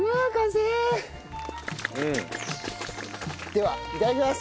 ではいただきます。